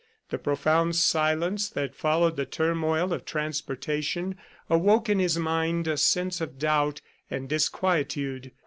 The profound silence that followed the turmoil of transportation awoke in his mind a sense of doubt and disquietude.